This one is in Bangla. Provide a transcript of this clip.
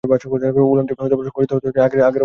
ওলানটি সংকুচিত হতে হতে আগের অবস্থায় ফিরে গেল।